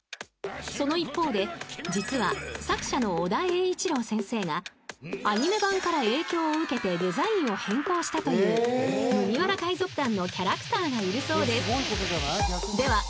［その一方で実は作者の尾田栄一郎先生がアニメ版から影響を受けてデザインを変更したという麦わら海賊団のキャラクターがいるそうです］